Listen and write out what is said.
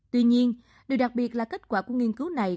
tuy nhiên điều đặc biệt là kết quả của nghiên cứu này